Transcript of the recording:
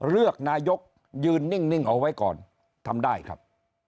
เลือกนายกยืนนิ่งเอาไว้ก่อนทำได้ครับ